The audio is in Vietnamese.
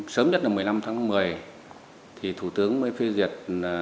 sớm nhất là một mươi năm tháng một mươi thì thủ tướng mới phê duyệt